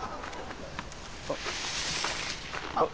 あっ。